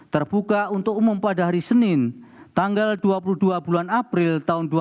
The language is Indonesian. terbuka untuk umum pada hari senin tanggal dua puluh dua bulan april